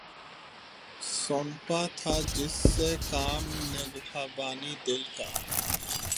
سونپا تھا جسے کام نگہبانئ دل کا